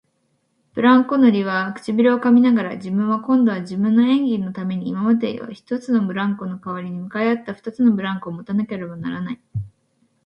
ブランコ乗りは唇をかみながら、自分は今度は自分の演技のために今までの一つのブランコのかわりに向かい合った二つのブランコをもたなければならない、